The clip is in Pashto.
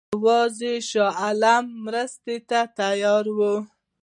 یوازې شاه عالم مرستې ته تیار وو.